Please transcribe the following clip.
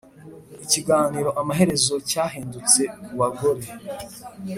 ikiganiro amaherezo cyahindutse ku bagore